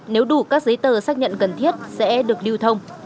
nếu đủ các giấy tờ xác nhận cần thiết sẽ được lưu thông